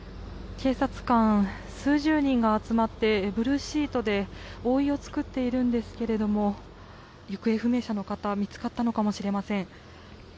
警察官数十人が集まってブルーシートで覆いを作っているんですが行方不明者の方見つかったのかもしれません。